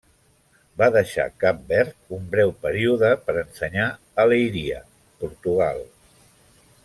Va deixar Cap Verd un breu període per ensenyar a Leiria, Portugal.